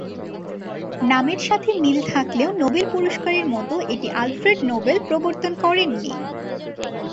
নামের সাথে মিল থাকলেও নোবেল পুরস্কারের মত এটি আলফ্রেড নোবেল প্রবর্তন করেন নি।